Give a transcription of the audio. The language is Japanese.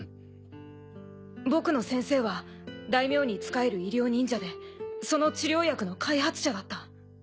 僕の先生は大名に仕える医療忍者でその治療薬の開発者だった。